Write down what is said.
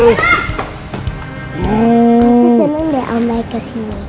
aku senang deh om baik kesini